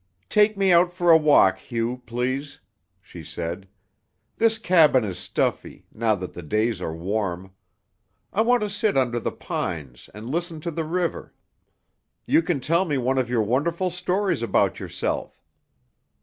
"Take me out for a walk, Hugh, please," she said. "This cabin is stuffy, now that the days are warm. I want to sit under the pines and listen to the river. You can tell me one of your wonderful stories about yourself."